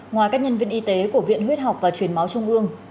ngoài các nhân viên y tế của viện huyết học và truyền máu trung ương